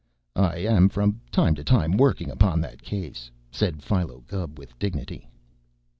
"I am from time to time working upon that case," said Philo Gubb with dignity.